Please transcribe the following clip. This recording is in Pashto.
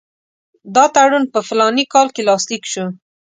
دا تړون په فلاني کال کې لاسلیک شو.